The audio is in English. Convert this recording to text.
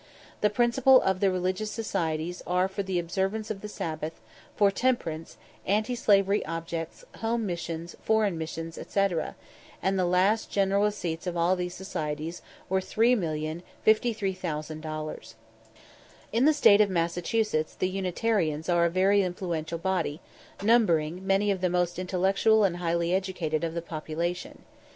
The principal of the religious societies are for the observance of the sabbath, for temperance, anti slavery objects, home missions, foreign missions, &c. The last general receipts of all these societies were 3,053,535 dollars. In the State of Massachusetts the Unitarians are a very influential body, numbering many of the most intellectual and highly educated of the population.